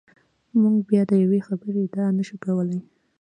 موږ بیا د یوې خبرې ادعا نشو کولای.